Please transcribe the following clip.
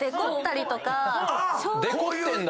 デコってんだ。